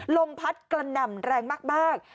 ลมพัดกระหน่ำแรงมาก